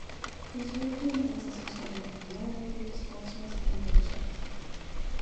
His European ancestors had been piano makers, goldsmiths, and vintners.